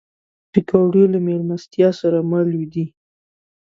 پکورې له میلمستیا سره مل دي